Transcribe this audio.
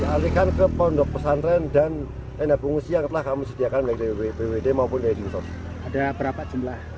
alihkan ke pondok pesantren dan enak pengusia telah kamu sediakan bwd maupun ada berapa jumlah